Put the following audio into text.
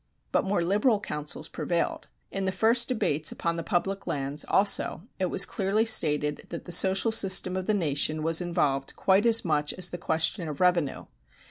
But more liberal counsels prevailed. In the first debates upon the public lands, also, it was clearly stated that the social system of the nation was involved quite as much as the question of revenue.